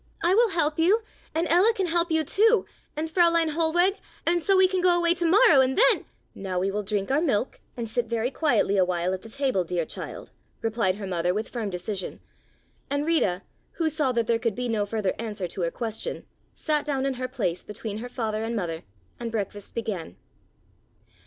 "I will help you, and Ella can help you too, and Fräulein Hohlweg, and so we can go away to morrow and then——" "Now we will drink our milk and sit very quietly a while at the table, dear child," replied her Mother with firm decision, and Rita, who saw that there could be no further answer to her question, sat down in her place between her father and mother, and breakfast began.